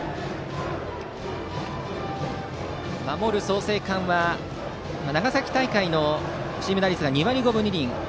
守る創成館は長崎大会のチーム打率が２割５分２厘。